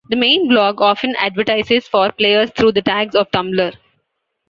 The main blog often advertises for players through the tags of Tumblr.